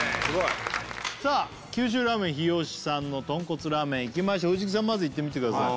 さあ九州ラーメン日吉さんの豚骨ラーメンいきましょう藤木さんまずいってみてください